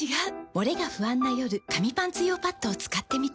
モレが不安な夜紙パンツ用パッドを使ってみた。